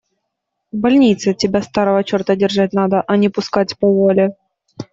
В больнице тебя, старого черта, держать надо, а не пускать по воле.